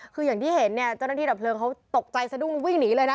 คืออย่างที่เห็นเนี่ยเจ้าหน้าที่ดับเพลิงเขาตกใจสะดุ้งวิ่งหนีเลยนะ